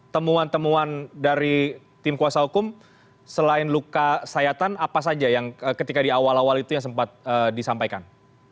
temuan temuan dari tim kuasa hukum selain luka sayatan apa saja yang ketika di awal awal itu yang sempat disampaikan